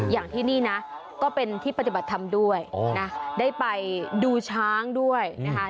อย่างที่นี่นะก็เป็นที่ปฏิบัติธรรมด้วยนะได้ไปดูช้างด้วยนะคะ